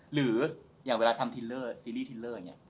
หรือเวลาทำซีรีส์ทิลเลอร์